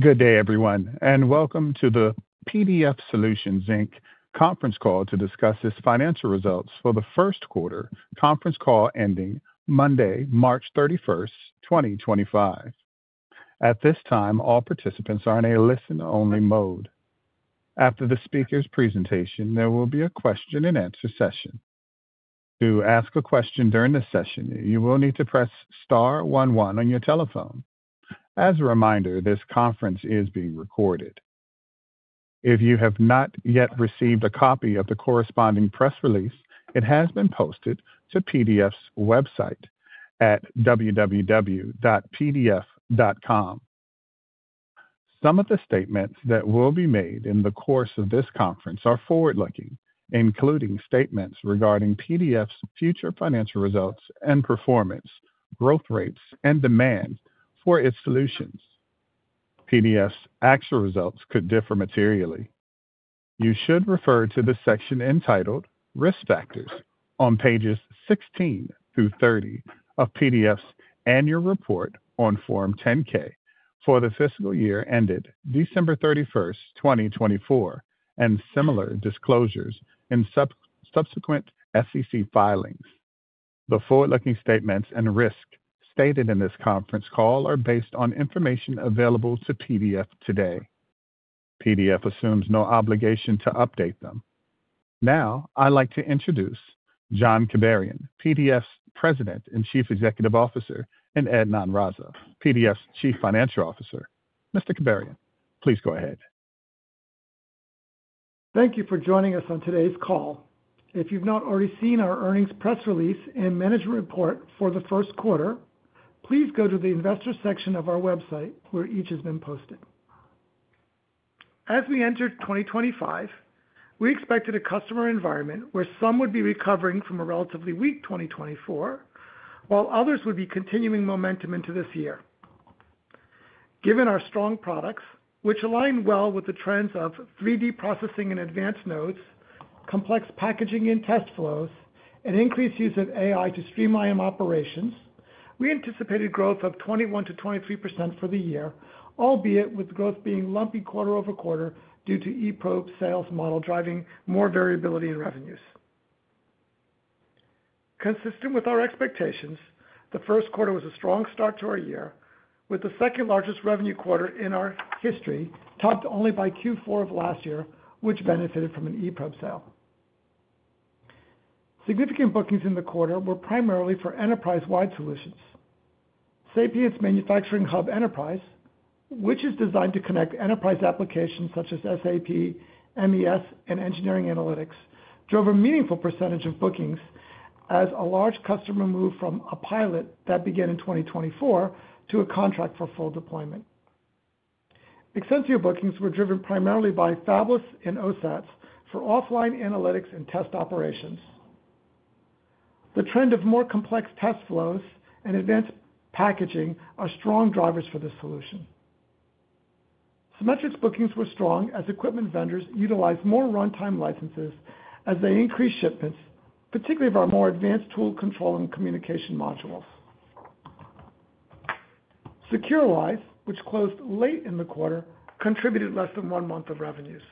Good day, everyone, and welcome to the PDF Solutions conference call to discuss its financial results for the first quarter, conference call ending Monday, March 31st, 2025. At this time, all participants are in a listen-only mode. After the speaker's presentation, there will be a question-and-answer session. To ask a question during the session, you will need to press star 11 on your telephone. As a reminder, this conference is being recorded. If you have not yet received a copy of the corresponding press release, it has been posted to PDF's website at www.pdf.com. Some of the statements that will be made in the course of this conference are forward-looking, including statements regarding PDF's future financial results and performance, growth rates, and demand for its solutions. PDF's actual results could differ materially. You should refer to the section entitled Risk Factors on pages 16 through 30 of PDF's annual report on Form 10-K for the fiscal year ended December 31st, 2024, and similar disclosures in subsequent FCC filings. The forward-looking statements and risk stated in this conference call are based on information available to PDF today. PDF assumes no obligation to update them. Now, I'd like to introduce John Kibarian, PDF's President and Chief Executive Officer, and Adnan Raza, PDF's Chief Financial Officer. Mr. Kibarian, please go ahead. Thank you for joining us on today's call. If you've not already seen our earnings press release and management report for the first quarter, please go to the investor section of our website where each has been posted. As we enter 2025, we expected a customer environment where some would be recovering from a relatively weak 2024, while others would be continuing momentum into this year. Given our strong products, which align well with the trends of 3D processing and advanced nodes, complex packaging and test flows, and increased use of AI to streamline operations, we anticipated growth of 21%-23% for the year, albeit with growth being lumpy quarter over quarter due to eProbe sales model driving more variability in revenues. Consistent with our expectations, the first quarter was a strong start to our year, with the second-largest revenue quarter in our history topped only by Q4 of last year, which benefited from an eProbe sale. Significant bookings in the quarter were primarily for enterprise-wide solutions. Sapiens Manufacturing Hub Enterprise, which is designed to connect enterprise applications such as SAP, MES, and engineering analytics, drove a meaningful percentage of bookings as a large customer moved from a pilot that began in 2024 to a contract for full deployment. Extensive bookings were driven primarily by Fabless and OSATs for offline analytics and test operations. The trend of more complex test flows and advanced packaging are strong drivers for the solution. Symmetrics bookings were strong as equipment vendors utilized more runtime licenses as they increased shipments, particularly of our more advanced tool control and communication modules. SecureWISE, which closed late in the quarter, contributed less than one month of revenues.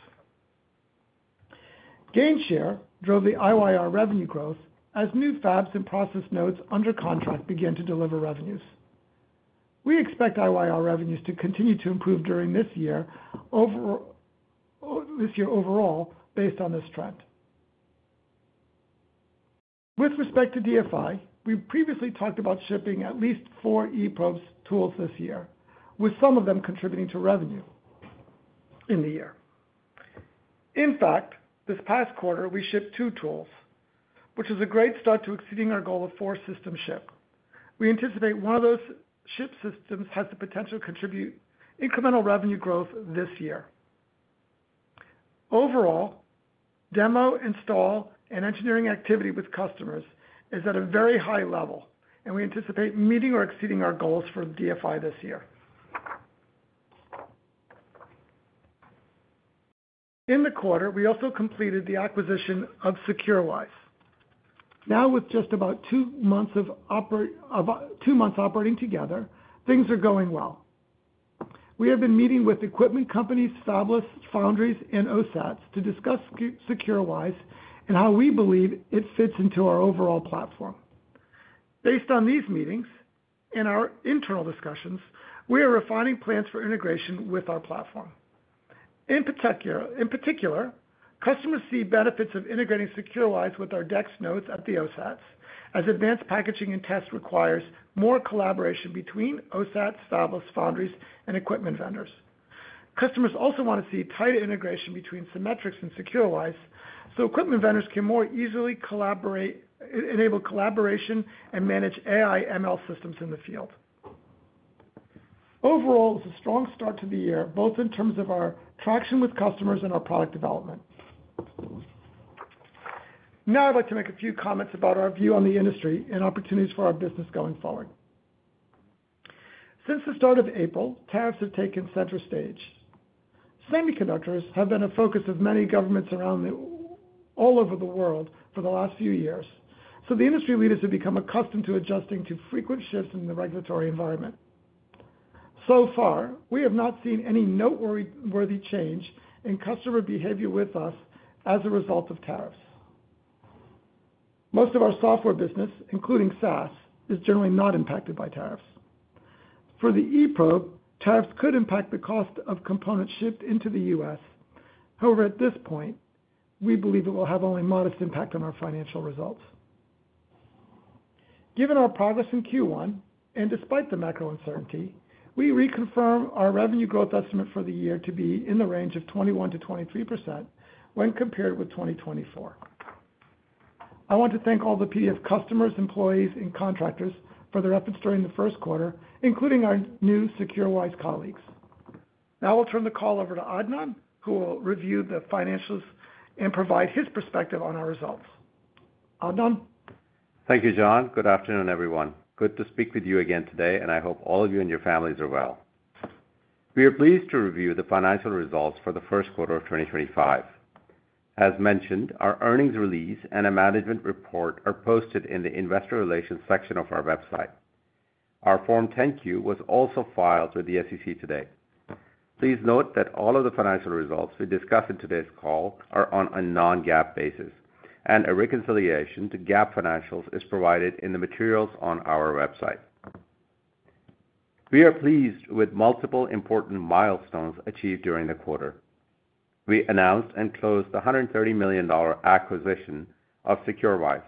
GainShare drove the IYR revenue growth as new fabs and process nodes under contract began to deliver revenues. We expect IYR revenues to continue to improve during this year overall based on this trend. With respect to DFI, we previously talked about shipping at least four eProbe tools this year, with some of them contributing to revenue in the year. In fact, this past quarter, we shipped two tools, which was a great start to exceeding our goal of four systems shipped. We anticipate one of those shipped systems has the potential to contribute incremental revenue growth this year. Overall, demo, install, and engineering activity with customers is at a very high level, and we anticipate meeting or exceeding our goals for DFI this year. In the quarter, we also completed the acquisition of secureWISE. Now, with just about two months operating together, things are going well. We have been meeting with equipment companies, Fabless, Foundries, and OSATs to discuss secureWISE and how we believe it fits into our overall platform. Based on these meetings and our internal discussions, we are refining plans for integration with our platform. In particular, customers see benefits of integrating secureWISE with our DEX nodes at the OSATs as advanced packaging and tests require more collaboration between OSATs, Fabless, Foundries, and equipment vendors. Customers also want to see tighter integration between Symmetrics and secureWISE so equipment vendors can more easily enable collaboration and manage AI/ML systems in the field. Overall, it's a strong start to the year, both in terms of our traction with customers and our product development. Now, I'd like to make a few comments about our view on the industry and opportunities for our business going forward. Since the start of April, tariffs have taken center stage. Semiconductors have been a focus of many governments all over the world for the last few years, so the industry leaders have become accustomed to adjusting to frequent shifts in the regulatory environment. So far, we have not seen any noteworthy change in customer behavior with us as a result of tariffs. Most of our software business, including SaaS, is generally not impacted by tariffs. For the eProbe, tariffs could impact the cost of components shipped into the U.S. However, at this point, we believe it will have only a modest impact on our financial results. Given our progress in Q1 and despite the macro uncertainty, we reconfirm our revenue growth estimate for the year to be in the range of 21%-23% when compared with 2024. I want to thank all the PDF customers, employees, and contractors for their efforts during the first quarter, including our new secureWISE colleagues. Now, I'll turn the call over to Adnan, who will review the financials and provide his perspective on our results. Adnan. Thank you, John. Good afternoon, everyone. Good to speak with you again today, and I hope all of you and your families are well. We are pleased to review the financial results for the first quarter of 2025. As mentioned, our earnings release and a management report are posted in the investor relations section of our website. Our Form 10-Q was also filed with the SEC today. Please note that all of the financial results we discuss in today's call are on a non-GAAP basis, and a reconciliation to GAAP financials is provided in the materials on our website. We are pleased with multiple important milestones achieved during the quarter. We announced and closed the $130 million acquisition of secureWISE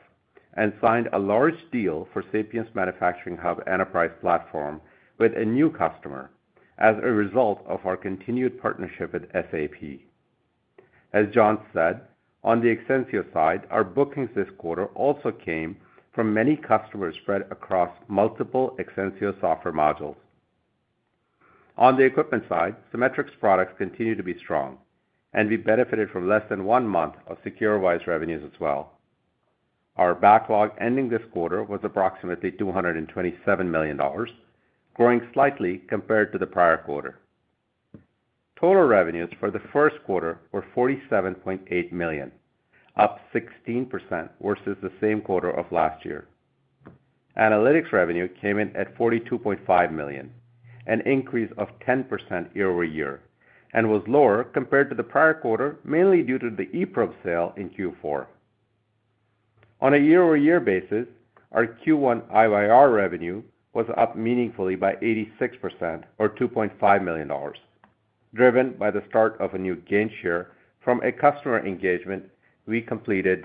and signed a large deal for Sapiens Manufacturing Hub Enterprise platform with a new customer as a result of our continued partnership with SAP. As John said, on the Exensio side, our bookings this quarter also came from many customers spread across multiple Exensio software modules. On the equipment side, Symmetrics' products continue to be strong, and we benefited from less than one month of secureWISE revenues as well. Our backlog ending this quarter was approximately $227 million, growing slightly compared to the prior quarter. Total revenues for the first quarter were $47.8 million, up 16% versus the same quarter of last year. Analytics revenue came in at $42.5 million, an increase of 10% year-over-year, and was lower compared to the prior quarter, mainly due to the eProbe sale in Q4. On a year-over-year basis, our Q1 IYR revenue was up meaningfully by 86%, or $2.5 million, driven by the start of a new GainShare from a customer engagement we completed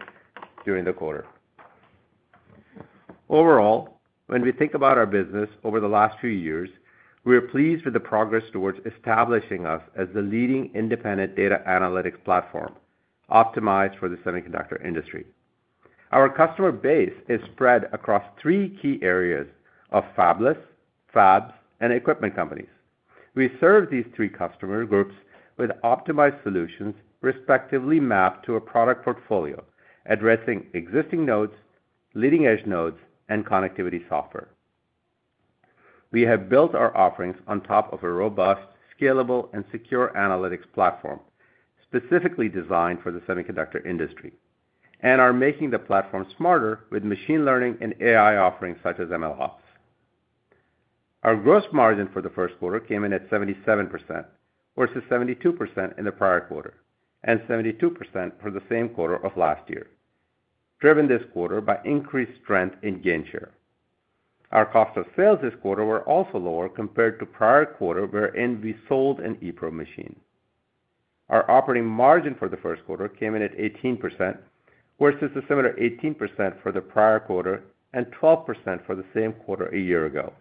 during the quarter. Overall, when we think about our business over the last few years, we are pleased with the progress towards establishing us as the leading independent data analytics platform optimized for the semiconductor industry. Our customer base is spread across three key areas of Fabless, Fabs, and equipment companies. We serve these three customer groups with optimized solutions respectively mapped to a product portfolio addressing existing nodes, leading-edge nodes, and connectivity software. We have built our offerings on top of a robust, scalable, and secure analytics platform specifically designed for the semiconductor industry and are making the platform smarter with machine learning and AI offerings such as MLOps. Our gross margin for the first quarter came in at 77%, versus 72% in the prior quarter and 72% for the same quarter of last year, driven this quarter by increased strength in GainShare. Our cost of sales this quarter were also lower compared to the prior quarter wherein we sold an eProbe machine. Our operating margin for the first quarter came in at 18%, versus a similar 18% for the prior quarter and 12% for the same quarter a year ago.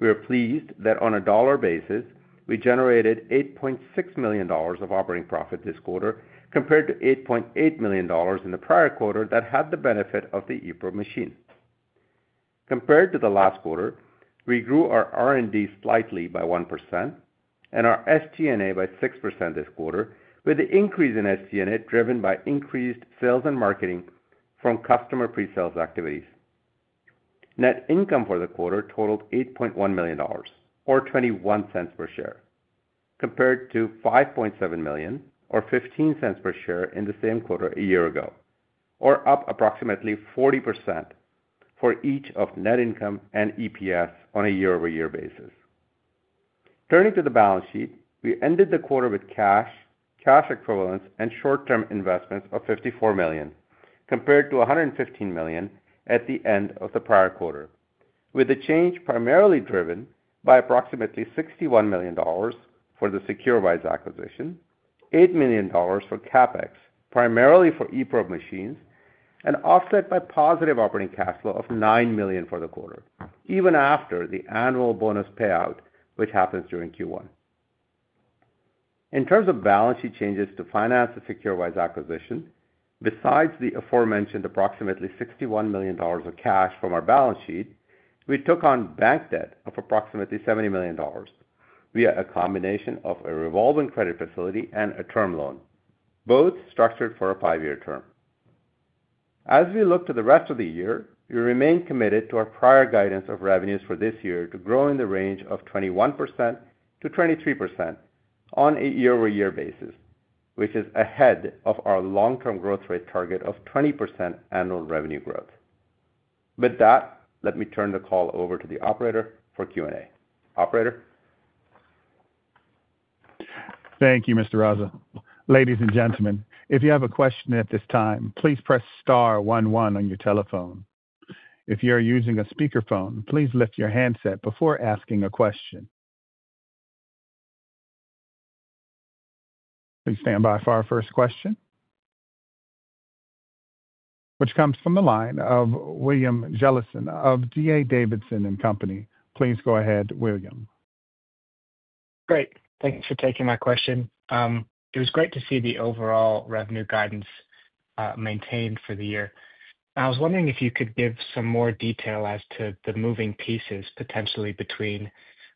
We are pleased that on a dollar basis, we generated $8.6 million of operating profit this quarter compared to $8.8 million in the prior quarter that had the benefit of the eProbe machine. Compared to the last quarter, we grew our R&D slightly by 1% and our SG&A by 6% this quarter, with the increase in SG&A driven by increased sales and marketing from customer pre-sales activities. Net income for the quarter totaled $8.1 million, or $0.21 per share, compared to $5.7 million, or $0.15 per share in the same quarter a year ago, or up approximately 40% for each of net income and EPS on a year-over-year basis. Turning to the balance sheet, we ended the quarter with cash, cash equivalents, and short-term investments of $54 million, compared to $115 million at the end of the prior quarter, with the change primarily driven by approximately $61 million for the secureWISE acquisition, $8 million for CapEx, primarily for eProbe machines, and offset by positive operating cash flow of $9 million for the quarter, even after the annual bonus payout, which happens during Q1. In terms of balance sheet changes to finance the secureWISE acquisition, besides the aforementioned approximately $61 million of cash from our balance sheet, we took on bank debt of approximately $70 million via a combination of a revolving credit facility and a term loan, both structured for a five-year term. As we look to the rest of the year, we remain committed to our prior guidance of revenues for this year to grow in the range of 21%-23% on a year-over-year basis, which is ahead of our long-term growth rate target of 20% annual revenue growth. With that, let me turn the call over to the operator for Q&A. Operator. Thank you, Mr. Raza. Ladies and gentlemen, if you have a question at this time, please press star 11 on your telephone. If you are using a speakerphone, please lift your handset before asking a question. Please stand by for our first question, which comes from the line of William Jellison of D.A. Davidson & Company. Please go ahead, William. Great. Thanks for taking my question. It was great to see the overall revenue guidance maintained for the year. I was wondering if you could give some more detail as to the moving pieces potentially between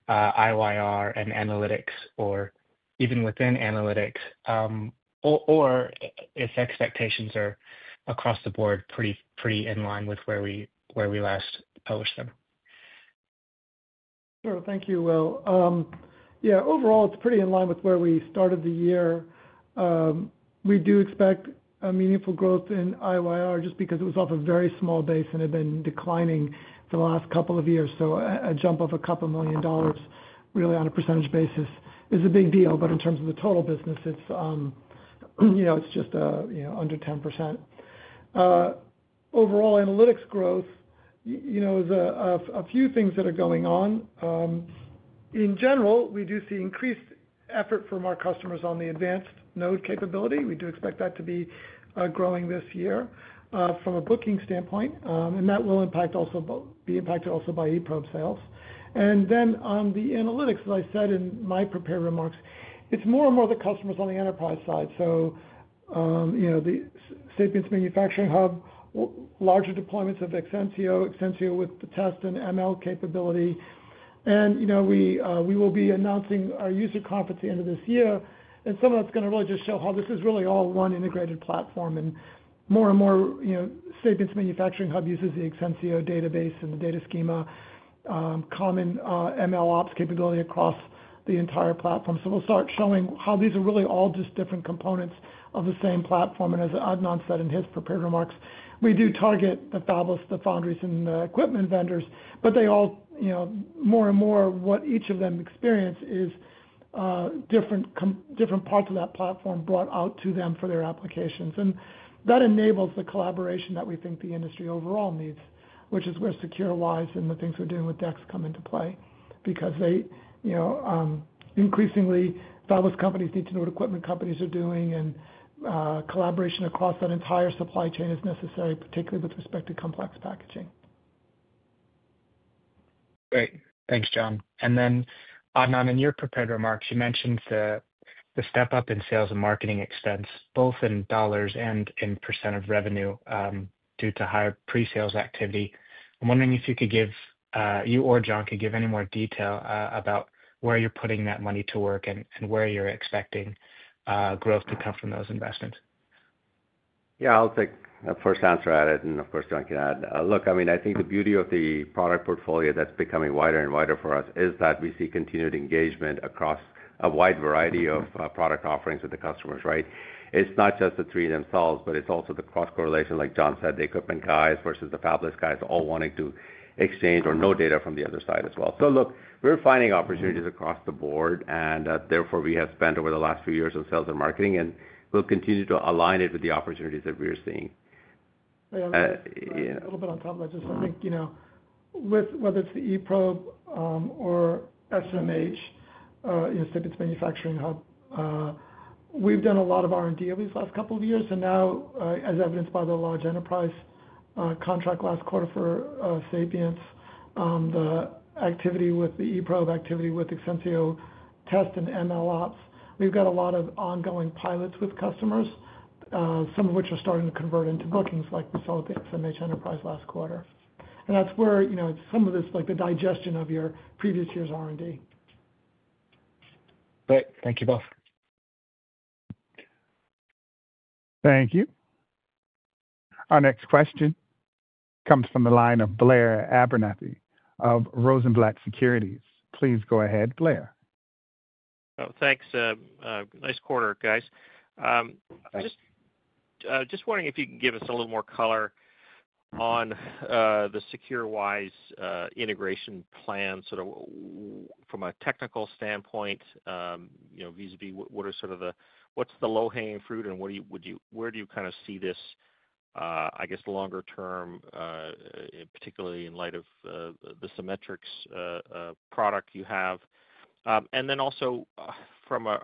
IYR and analytics, or even within analytics, or if expectations are across the board pretty in line with where we last published them. Sure. Thank you, Will. Yeah, overall, it's pretty in line with where we started the year. We do expect a meaningful growth in IYR just because it was off a very small base and had been declining for the last couple of years. A jump of a couple million dollars, really, on a percentage basis is a big deal. In terms of the total business, it's just under 10%. Overall analytics growth, there's a few things that are going on. In general, we do see increased effort from our customers on the advanced node capability. We do expect that to be growing this year from a booking standpoint, and that will be impacted also by eProbe sales. On the analytics, as I said in my prepared remarks, it's more and more the customers on the enterprise side. Sapiens Manufacturing Hub, larger deployments of Exensio, Exensio with the test and ML capability. We will be announcing our user conference at the end of this year, and some of that's going to really just show how this is really all one integrated platform. More and more, Sapiens Manufacturing Hub uses the Exensio database and the data schema, common MLOps capability across the entire platform. We'll start showing how these are really all just different components of the same platform. As Adnan said in his prepared remarks, we do target the Fabless, the Foundries, and the equipment vendors, but they all, more and more, what each of them experience is different parts of that platform brought out to them for their applications. That enables the collaboration that we think the industry overall needs, which is where secureWISE and the things we're doing with DEX come into play because increasingly, Fabless companies need to know what equipment companies are doing, and collaboration across that entire supply chain is necessary, particularly with respect to complex packaging. Great. Thanks, John. Then, Adnan, in your prepared remarks, you mentioned the step-up in sales and marketing expense, both in dollars and in percent of revenue due to higher pre-sales activity. I'm wondering if you could give, you or John, could give any more detail about where you're putting that money to work and where you're expecting growth to come from those investments. Yeah, I'll take the first answer at it, and of course, John can add. Look, I mean, I think the beauty of the product portfolio that's becoming wider and wider for us is that we see continued engagement across a wide variety of product offerings with the customers, right? It's not just the three themselves, but it's also the cross-correlation, like John said, the equipment guys versus the Fabless guys all wanting to exchange or know data from the other side as well. Look, we're finding opportunities across the board, and therefore, we have spent over the last few years on sales and marketing, and we'll continue to align it with the opportunities that we are seeing. A little bit on top of that, just I think with whether it's the eProbe or SMH, Sapiens Manufacturing Hub, we've done a lot of R&D over these last couple of years. Now, as evidenced by the large enterprise contract last quarter for Sapiens, the activity with the eProbe activity with Exensio Test and MLOps, we've got a lot of ongoing pilots with customers, some of which are starting to convert into bookings, like we saw with the SMH enterprise last quarter. That's where some of this, like the digestion of your previous year's R&D. Great. Thank you both. Thank you. Our next question comes from the line of Blair Abernethy of Rosenblatt Securities. Please go ahead, Blair. Oh, thanks. Nice quarter, guys. Just wondering if you can give us a little more color on the secureWISE integration plan, sort of from a technical standpoint, vis-à-vis what are sort of the, what's the low-hanging fruit, and where do you kind of see this, I guess, longer term, particularly in light of the Symmetrics product you have? Also from a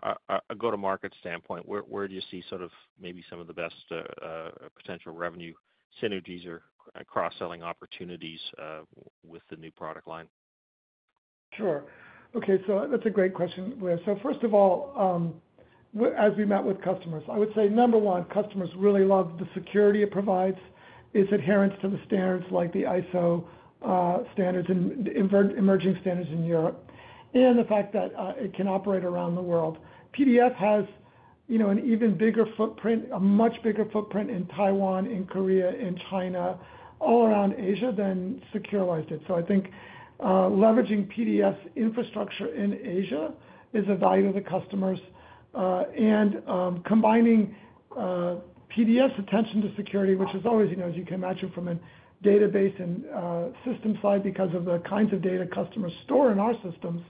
go-to-market standpoint, where do you see sort of maybe some of the best potential revenue synergies or cross-selling opportunities with the new product line? Sure. Okay. That's a great question, Blair. First of all, as we met with customers, I would say number one, customers really love the security it provides, its adherence to the standards like the ISO standards and emerging standards in Europe, and the fact that it can operate around the world. PDF has an even bigger footprint, a much bigger footprint in Taiwan, in Korea, in China, all around Asia than secureWISE did. I think leveraging PDF's infrastructure in Asia is a value to the customers. Combining PDF's attention to security, which is always, as you can imagine, from a database and system side because of the kinds of data customers store in our systems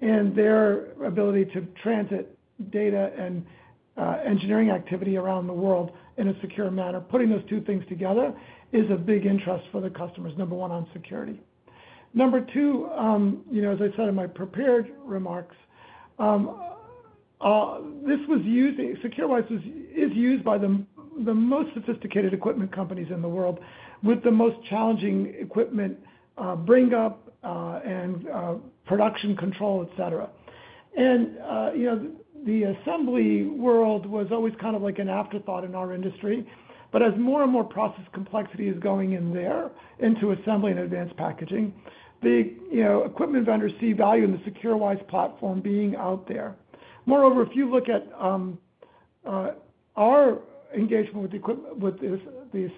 and their ability to transit data and engineering activity around the world in a secure manner, putting those two things together is a big interest for the customers, number one, on security. Number two, as I said in my prepared remarks, secureWISE is used by the most sophisticated equipment companies in the world with the most challenging equipment, bring-up, and production control, etc. The assembly world was always kind of like an afterthought in our industry. As more and more process complexity is going in there into assembly and advanced packaging, the equipment vendors see value in the secureWISE platform being out there. Moreover, if you look at our engagement with these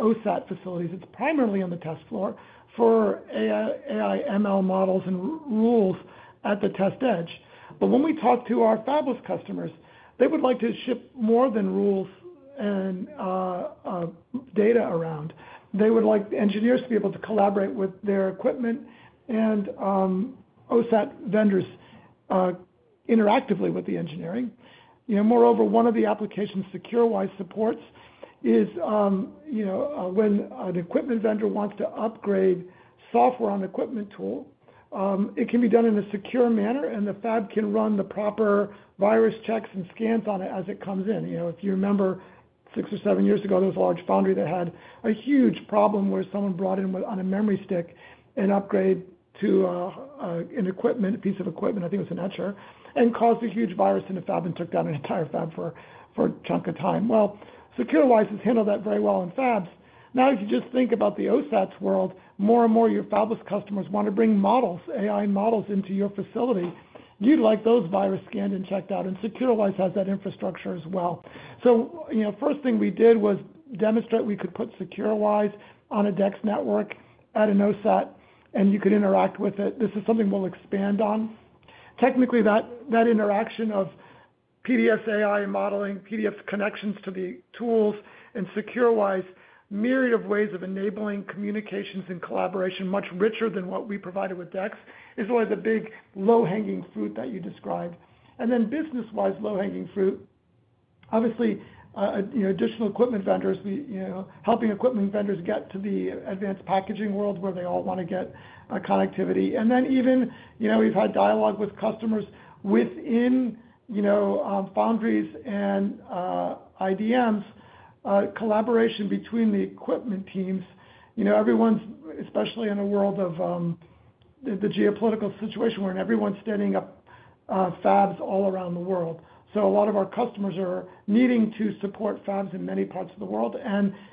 OSAT facilities, it's primarily on the test floor for AI/ML models and rules at the test edge. When we talk to our Fabless customers, they would like to ship more than rules and data around. They would like engineers to be able to collaborate with their equipment and OSAT vendors interactively with the engineering. Moreover, one of the applications secureWISE supports is when an equipment vendor wants to upgrade software on an equipment tool, it can be done in a secure manner, and the fab can run the proper virus checks and scans on it as it comes in. If you remember six or seven years ago, there was a large Foundry that had a huge problem where someone brought in on a memory stick an upgrade to an equipment, a piece of equipment, I think it was an Etcher, and caused a huge virus in a fab and took down an entire fab for a chunk of time. secureWISE has handled that very well in fabs. Now, if you just think about the OSAT world, more and more your Fabless customers want to bring models, AI models, into your facility. You'd like those virus scanned and checked out, and secureWISE has that infrastructure as well. The first thing we did was demonstrate we could put secureWISE on a DEX network, add an OSAT, and you could interact with it. This is something we'll expand on. Technically, that interaction of PDF's AI modeling, PDF's connections to the tools, and secureWISE's myriad of ways of enabling communications and collaboration, much richer than what we provided with DEX, is always a big low-hanging fruit that you described. Business-wise, low-hanging fruit, obviously, additional equipment vendors, helping equipment vendors get to the advanced packaging world where they all want to get connectivity. Even we've had dialogue with customers within Foundries and IDMs, collaboration between the equipment teams. Everyone's, especially in a world of the geopolitical situation where everyone's standing up fabs all around the world. A lot of our customers are needing to support fabs in many parts of the world.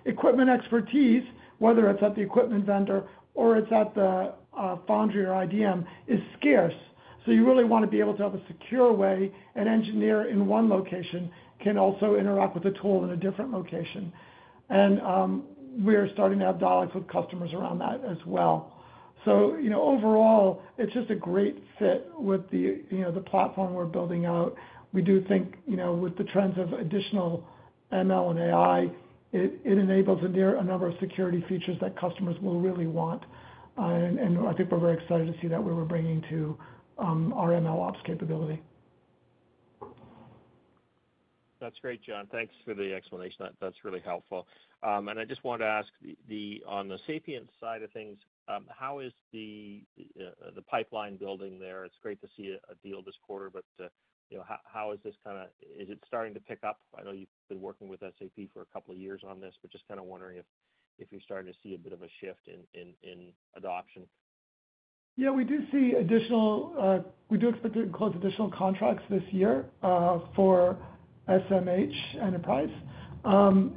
Equipment expertise, whether it's at the equipment vendor or it's at the Foundry or IDM, is scarce. You really want to be able to have a secure way an engineer in one location can also interact with a tool in a different location. We're starting to have dialogues with customers around that as well. Overall, it's just a great fit with the platform we're building out. We do think with the trends of additional ML and AI, it enables a number of security features that customers will really want. I think we're very excited to see that we're bringing to our MLOps capability. That's great, John. Thanks for the explanation. That's really helpful. I just wanted to ask, on the Sapience side of things, how is the pipeline building there? It's great to see a deal this quarter, but how is this kind of, is it starting to pick up? I know you've been working with SAP for a couple of years on this, but just kind of wondering if you're starting to see a bit of a shift in adoption. Yeah, we do see additional, we do expect to close additional contracts this year for SMH enterprise. Again,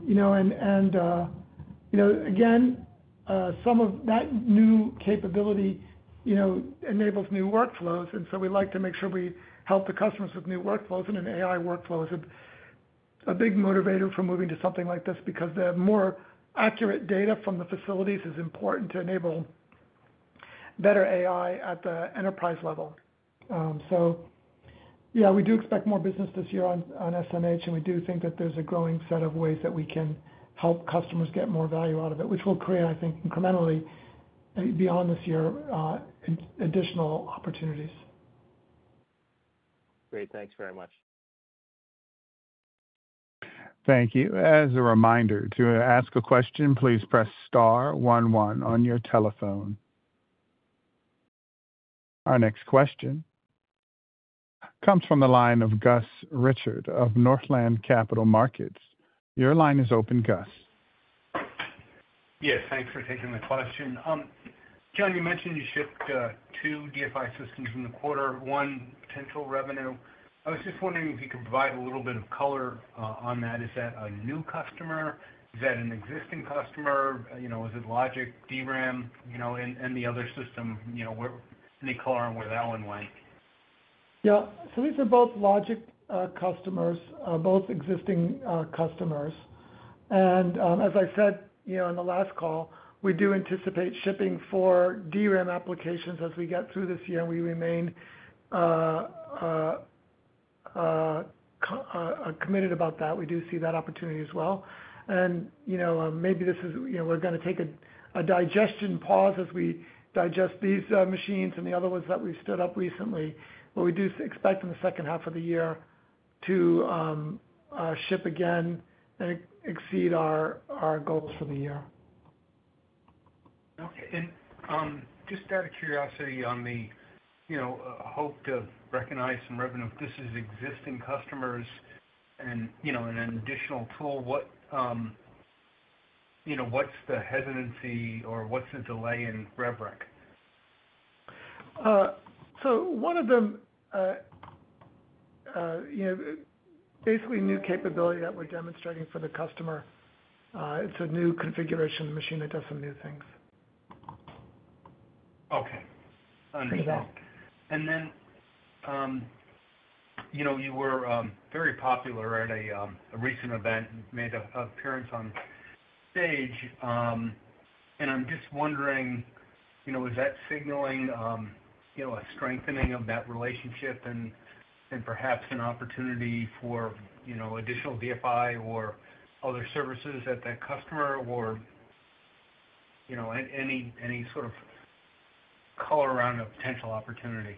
some of that new capability enables new workflows, and we'd like to make sure we help the customers with new workflows. An AI workflow is a big motivator for moving to something like this because the more accurate data from the facilities is important to enable better AI at the enterprise level. Yeah, we do expect more business this year on SMH, and we do think that there's a growing set of ways that we can help customers get more value out of it, which will create, I think, incrementally, beyond this year, additional opportunities. Great. Thanks very much. Thank you. As a reminder, to ask a question, please press star 11 on your telephone. Our next question comes from the line of Gus Richard of Northland Capital Markets. Your line is open, Gus. Yes, thanks for taking the question. John, you mentioned you shipped two DFI systems in the quarter, one potential revenue. I was just wondering if you could provide a little bit of color on that. Is that a new customer? Is that an existing customer? Was it Logic, DRAM, and the other system? Any color on where that one went? Yeah. These are both Logic customers, both existing customers. As I said in the last call, we do anticipate shipping for DRAM applications as we get through this year, and we remain committed about that. We do see that opportunity as well. Maybe this is, we're going to take a digestion pause as we digest these machines and the other ones that we've stood up recently, but we do expect in the second half of the year to ship again and exceed our goals for the year. Okay. And just out of curiosity, on the hope to recognize some revenue, if this is existing customers and an additional tool, what's the hesitancy or what's the delay in rubric? One of them, basically new capability that we're demonstrating for the customer. It's a new configuration of the machine that does some new things. Okay. Understood. You were very popular at a recent event and made an appearance on stage. I'm just wondering, is that signaling a strengthening of that relationship and perhaps an opportunity for additional DFI or other services at that customer or any sort of color around a potential opportunity?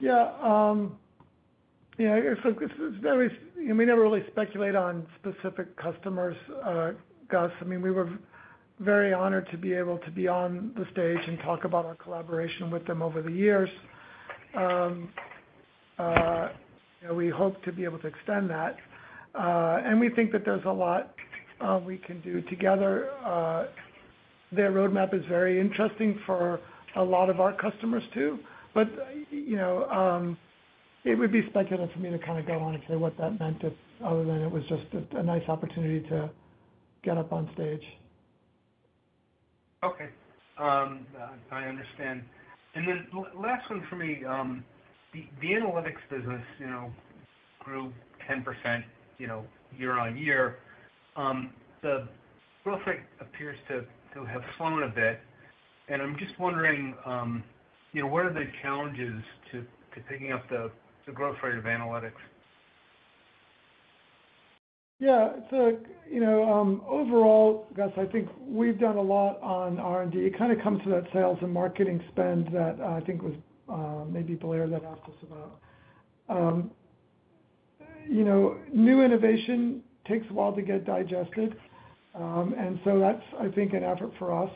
Yeah. Yeah. I guess it's very, we never really speculate on specific customers, Gus. I mean, we were very honored to be able to be on the stage and talk about our collaboration with them over the years. We hope to be able to extend that. I mean, we think that there's a lot we can do together. Their roadmap is very interesting for a lot of our customers too, but it would be speculative for me to kind of go on and say what that meant other than it was just a nice opportunity to get up on stage. Okay. I understand. Last one for me, the analytics business grew 10% year-on-year. The growth rate appears to have slowed a bit. I'm just wondering, what are the challenges to picking up the growth rate of analytics? Yeah. So overall, Gus, I think we've done a lot on R&D. It kind of comes to that sales and marketing spend that I think was maybe Blair that asked us about. New innovation takes a while to get digested. That's, I think, an effort for us.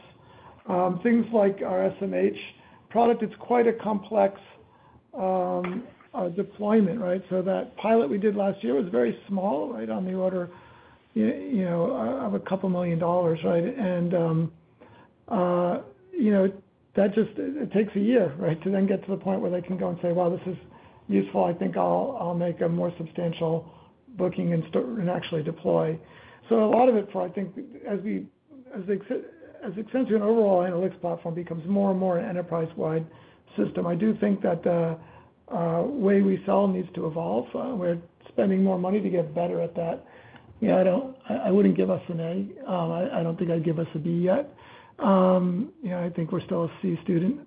Things like our SMH product, it's quite a complex deployment, right? That pilot we did last year was very small, on the order of a couple million dollars, right? That just, it takes a year to then get to the point where they can go and say, "Well, this is useful. I think I'll make a more substantial booking and actually deploy." A lot of it for, I think, as the Exensio overall analytics platform becomes more and more an enterprise-wide system, I do think that the way we sell needs to evolve. We're spending more money to get better at that. Yeah, I wouldn't give us an A. I don't think I'd give us a B yet. I think we're still a C student.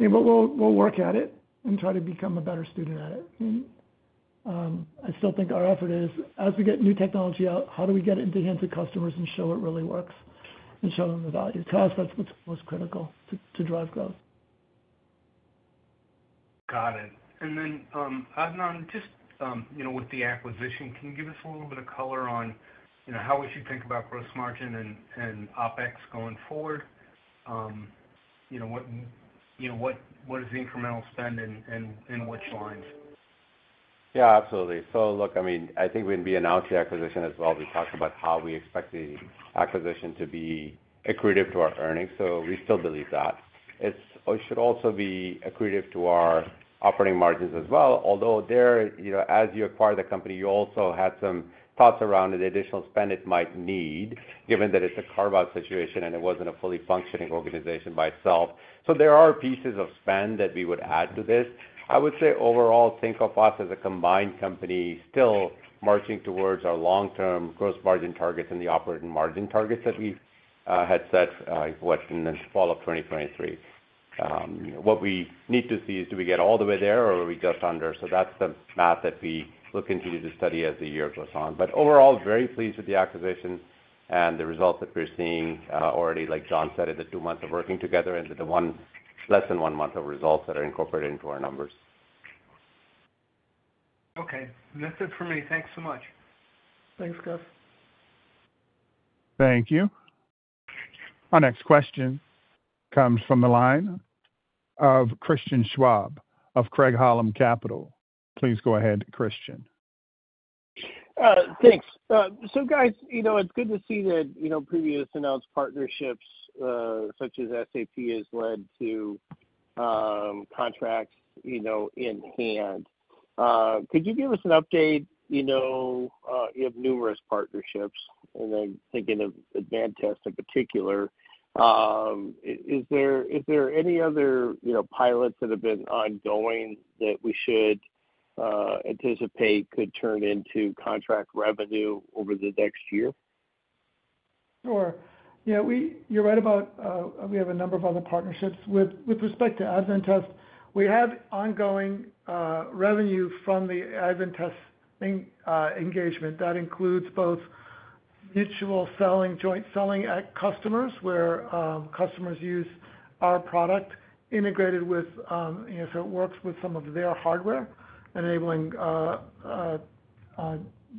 We'll work at it and try to become a better student at it. I still think our effort is, as we get new technology out, how do we get it into hands of customers and show it really works and show them the value? To us, that's what's most critical to drive growth. Got it. Adnan, just with the acquisition, can you give us a little bit of color on how would you think about gross margin and OpEx going forward? What is the incremental spend and which lines? Yeah, absolutely. Look, I mean, I think we announced the acquisition as well. We talked about how we expect the acquisition to be accretive to our earnings. We still believe that. It should also be accretive to our operating margins as well. Although there, as you acquired the company, you also had some thoughts around the additional spend it might need, given that it is a carve-out situation and it was not a fully functioning organization by itself. There are pieces of spend that we would add to this. I would say overall, think of us as a combined company still marching towards our long-term gross margin targets and the operating margin targets that we had set in the fall of 2023. What we need to see is, do we get all the way there or are we just under? That's the math that we will continue to study as the year goes on. Overall, very pleased with the acquisition and the results that we're seeing already, like John said, in the two months of working together and the less than one month of results that are incorporated into our numbers. Okay. That's it for me. Thanks so much. Thanks, Gus. Thank you. Our next question comes from the line of Christian Schwab of Craig-Hallum Capital. Please go ahead, Christian. Thanks. Guys, it's good to see that previous announced partnerships such as SAP has led to contracts in hand. Could you give us an update? You have numerous partnerships, and I'm thinking of Advantest in particular. Is there any other pilots that have been ongoing that we should anticipate could turn into contract revenue over the next year? Sure. Yeah. You're right about we have a number of other partnerships. With respect to Advantest, we have ongoing revenue from the Advantest engagement. That includes both mutual selling, joint selling at customers where customers use our product integrated with, so it works with some of their hardware, enabling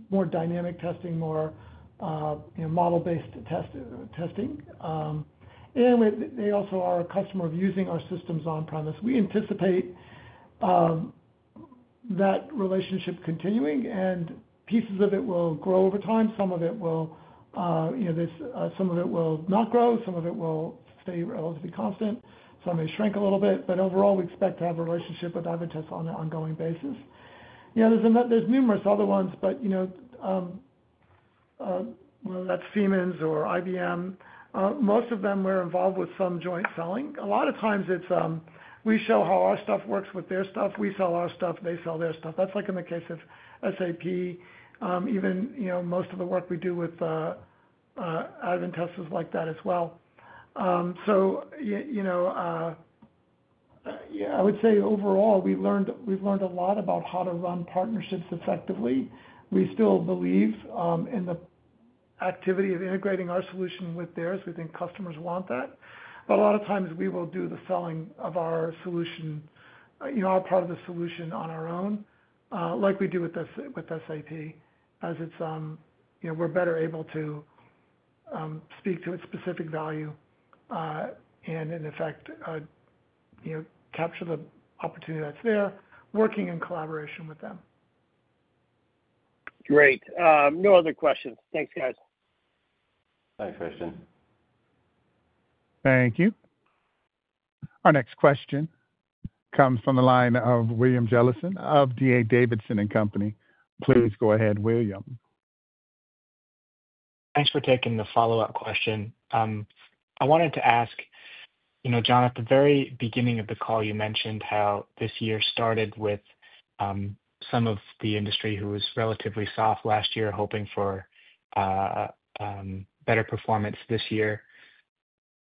more dynamic testing, more model-based testing. They also are a customer of using our systems on-premise. We anticipate that relationship continuing, and pieces of it will grow over time. Some of it will, some of it will not grow. Some of it will stay relatively constant. Some may shrink a little bit. Overall, we expect to have a relationship with Advantest on an ongoing basis. Yeah, there's numerous other ones, but whether that's Siemens or IBM, most of them we're involved with some joint selling. A lot of times it's we show how our stuff works with their stuff. We sell our stuff. They sell their stuff. That's like in the case of SAP. Even most of the work we do with Advantest is like that as well. I would say overall, we've learned a lot about how to run partnerships effectively. We still believe in the activity of integrating our solution with theirs. We think customers want that. A lot of times we will do the selling of our solution, our part of the solution on our own, like we do with SAP, as we're better able to speak to its specific value and, in effect, capture the opportunity that's there, working in collaboration with them. Great. No other questions. Thanks, guys. Thanks, Christian. Thank you. Our next question comes from the line of William Jellison of D.A. Davidson & Company. Please go ahead, William. Thanks for taking the follow-up question. I wanted to ask, John, at the very beginning of the call, you mentioned how this year started with some of the industry who was relatively soft last year, hoping for better performance this year.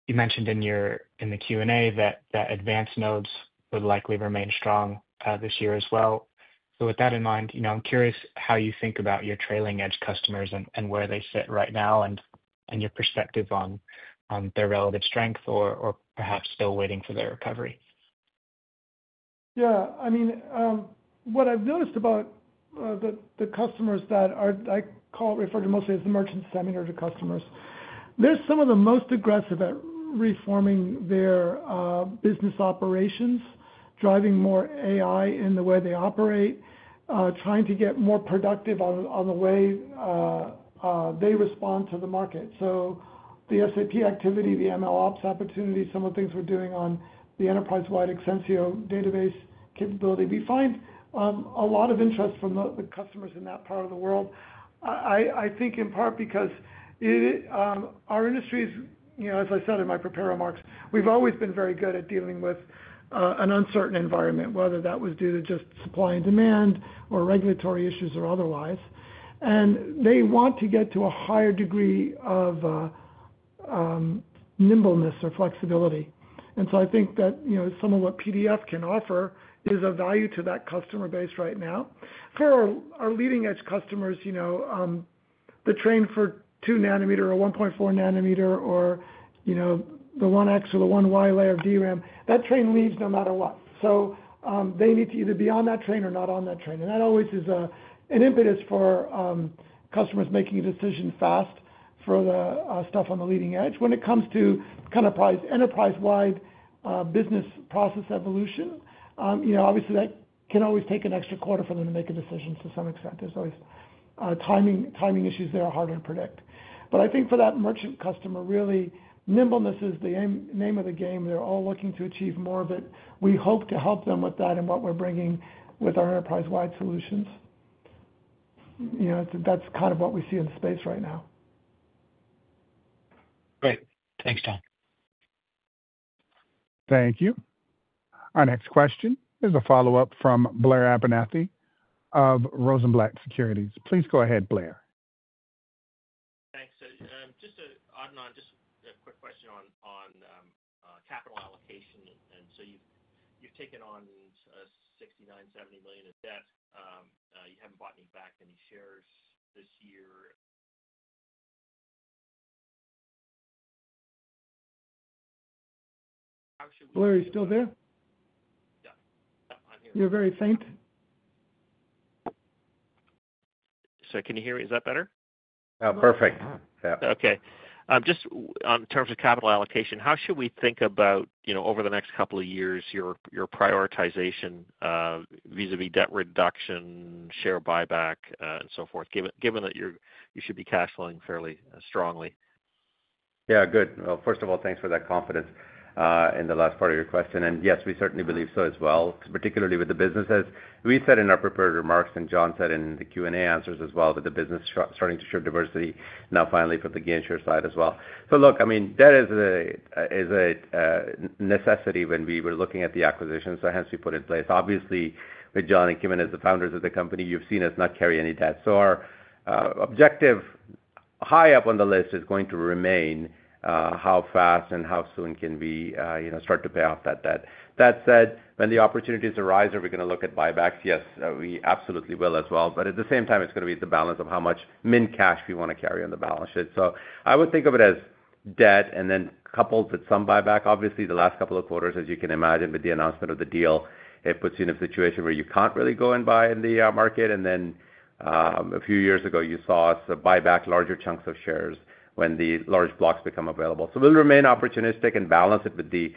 You mentioned in the Q&A that advanced nodes would likely remain strong this year as well. With that in mind, I'm curious how you think about your trailing-edge customers and where they sit right now and your perspective on their relative strength or perhaps still waiting for their recovery. Yeah. I mean, what I've noticed about the customers that I call refer to mostly as the merchant semi-reg customers, they're some of the most aggressive at reforming their business operations, driving more AI in the way they operate, trying to get more productive on the way they respond to the market. The SAP activity, the MLOps opportunity, some of the things we're doing on the enterprise-wide Exensio database capability, we find a lot of interest from the customers in that part of the world. I think in part because our industry is, as I said in my prepared remarks, we've always been very good at dealing with an uncertain environment, whether that was due to just supply and demand or regulatory issues or otherwise. They want to get to a higher degree of nimbleness or flexibility. I think that some of what PDF can offer is a value to that customer base right now. For our leading-edge customers, the train for 2-nanometer or 1.4-nanometer or the 1X or the 1Y layer of DRAM, that train leaves no matter what. They need to either be on that train or not on that train. That always is an impetus for customers making a decision fast for the stuff on the leading edge. When it comes to kind of enterprise-wide business process evolution, obviously that can always take an extra quarter for them to make a decision to some extent. There are always timing issues that are harder to predict. I think for that merchant customer, really, nimbleness is the name of the game. They're all looking to achieve more of it. We hope to help them with that and what we're bringing with our enterprise-wide solutions. That's kind of what we see in the space right now. Great. Thanks, John. Thank you. Our next question is a follow-up from Blair Abernethy of Rosenblatt Securities. Please go ahead, Blair. Thanks. Just Adnan, just a quick question on capital allocation. You've taken on $69 million-$70 million in debt. You haven't bought back any shares this year. Blair, are you still there? Yeah. I'm here. You're very faint. Can you hear me? Is that better? Yeah. Perfect. Yeah. Okay. Just in terms of capital allocation, how should we think about over the next couple of years, your prioritization vis-à-vis debt reduction, share buyback, and so forth, given that you should be cash flowing fairly strongly? Yeah. Good. First of all, thanks for that confidence in the last part of your question. Yes, we certainly believe so as well, particularly with the businesses. We said in our prepared remarks and John said in the Q&A answers as well that the business is starting to show diversity now finally for the GainShare side as well. Look, I mean, debt is a necessity when we were looking at the acquisitions. Hence we put in place. Obviously, with John and Kimon as the founders of the company, you've seen us not carry any debt. Our objective high up on the list is going to remain how fast and how soon can we start to pay off that debt. That said, when the opportunities arise, are we going to look at buybacks? Yes, we absolutely will as well. At the same time, it's going to be the balance of how much mint cash we want to carry on the balance sheet. I would think of it as debt and then coupled with some buyback. Obviously, the last couple of quarters, as you can imagine, with the announcement of the deal, it puts you in a situation where you can't really go and buy in the market. A few years ago, you saw us buy back larger chunks of shares when the large blocks become available. We'll remain opportunistic and balance it with the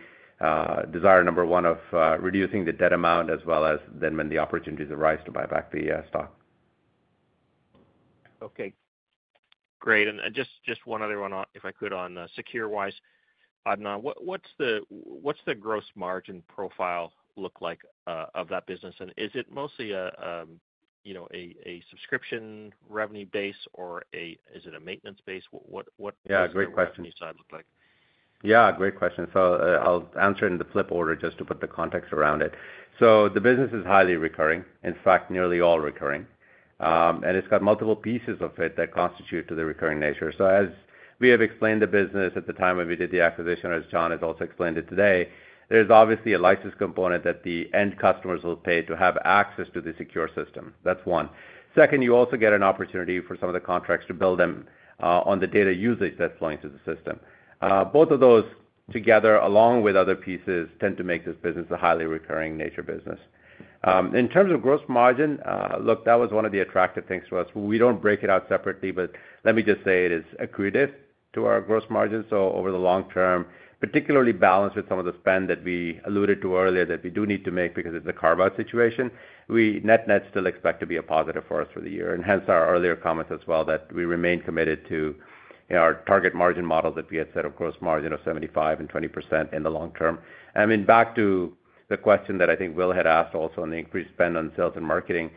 desire number one of reducing the debt amount as well as then when the opportunities arise to buy back the stock. Okay. Great. Just one other one if I could on secureWISE. Adnan, what's the gross margin profile look like of that business? Is it mostly a subscription revenue base or is it a maintenance base? What does the revenue side look like? Yeah. Great question. I'll answer in the flip order just to put the context around it. The business is highly recurring, in fact, nearly all recurring. It has multiple pieces of it that constitute to the recurring nature. As we have explained the business at the time when we did the acquisition, as John has also explained it today, there's obviously a license component that the end customers will pay to have access to the secure system. That's one. Second, you also get an opportunity for some of the contracts to bill them on the data usage that's flowing through the system. Both of those together, along with other pieces, tend to make this business a highly recurring nature business. In terms of gross margin, look, that was one of the attractive things for us. We don't break it out separately, but let me just say it is accretive to our gross margin. Over the long term, particularly balanced with some of the spend that we alluded to earlier that we do need to make because it's a carve-out situation, we net-net still expect it to be a positive for us for the year. Hence our earlier comments as well that we remain committed to our target margin model that we had set of gross margin of 75% and 20% in the long term. I mean, back to the question that I think Will had asked also on the increased spend on sales and marketing.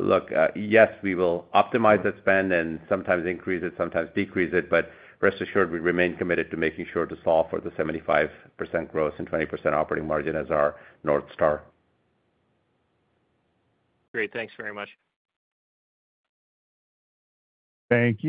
Look, yes, we will optimize that spend and sometimes increase it, sometimes decrease it. Rest assured, we remain committed to making sure to solve for the 75% gross and 20% operating margin as our North Star. Great. Thanks very much. Thank you.